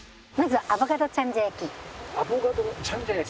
アボカドのチャンジャ焼き？